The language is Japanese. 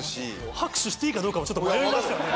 拍手していいかどうかもちょっと迷いましたよね。